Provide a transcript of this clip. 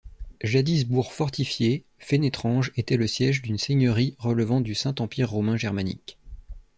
Jadis bourg fortifié, Fénétrange était le siège d'une seigneurie relevant du Saint-Empire romain germanique.